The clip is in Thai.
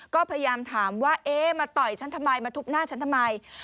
ก็พยายามถามว่าเอ๊ะมาต่อยฉันทำไมมาทุบหน้าฉันทำไม